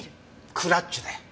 クラッチだよ。